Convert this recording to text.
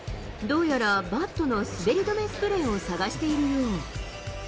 どうやら、バットの滑り止めスプレーを探しているよう。